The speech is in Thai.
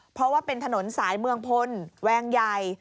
เพราะว่าเป็นถนนสายเมืองพลแวงใหญ่